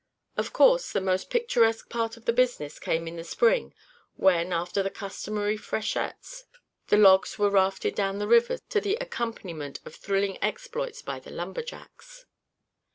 Of course, the most picturesque part of the business came in the spring when, after the customary freshets, the logs were rafted down the rivers to the accompaniment of thrilling exploits by the lumber jacks.